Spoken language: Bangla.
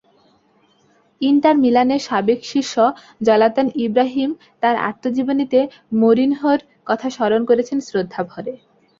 ইন্টার মিলানের সাবেক শিষ্য জ্লাতান ইব্রাহিমোভিচ তাঁর আত্মজীবনীতে মরিনহোর কথা স্মরণ করেছেন শ্রদ্ধাভরে।